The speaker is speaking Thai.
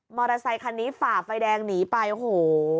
อเตอร์ไซคันนี้ฝ่าไฟแดงหนีไปโอ้โห